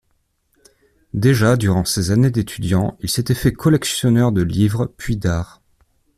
Déjà durant ses années d’étudiant, il s’était fait collectionneur de livres, puis d’art.